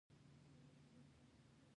سیاستمداران کوچنۍ پروژې لري.